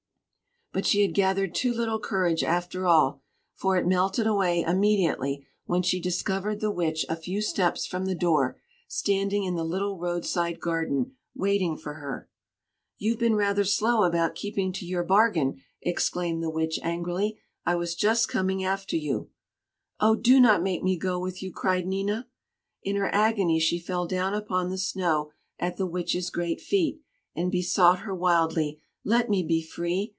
But she had gathered too little courage, after all; for it melted away immediately when she discovered the Witch a few steps from the door, standing in the little roadside garden, waiting for her. "You've been rather slow about keeping to your bargain!" exclaimed the Witch angrily. "I was just coming after you." "Oh! do not make me go with you!" cried Nina. In her agony she fell down upon the snow at the Witch's great feet, and besought her wildly: "Let me be free!